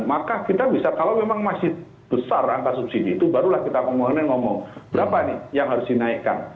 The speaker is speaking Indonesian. maka kita bisa kalau memang masih besar angka subsidi itu barulah kita kemudian ngomong berapa nih yang harus dinaikkan